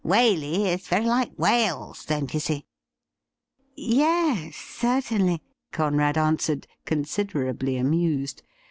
Waley is very like Wales — don't you see ?'' Yes, certainly,' Conrad answered, considerably amused.